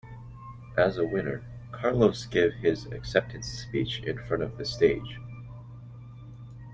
As a winner, Carlos give his acceptance speech in front of the stage.